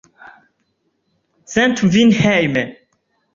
Sentu vin hejme!